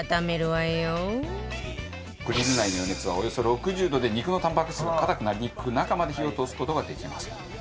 グリル内の余熱はおよそ６０度で肉のタンパク質が固くなりにくく中まで火を通す事ができますと。